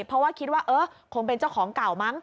เพราะว่าคิดว่าเออคงเป็นเจ้าของเก่ามั้ง